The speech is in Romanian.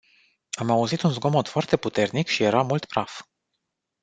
Am auzit un zgomot foarte puternic și era mult praf.